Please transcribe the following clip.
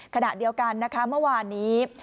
ขณะเดียวกันนะคะเมื่อวานนี้